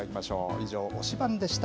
以上、推しバン！でした。